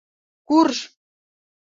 Курж!..